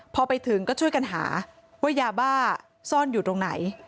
พอไปถึงก็ช่วยกันหาว่ายาบ้าซ่อนอยู่ตรงไหน